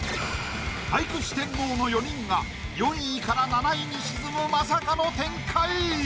俳句四天王の４人が４位から７位に沈むまさかの展開！